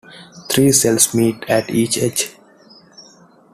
Three cells meet at each edge.